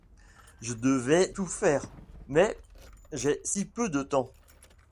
Je devrais tout faire, mais j'ai si peu de temps!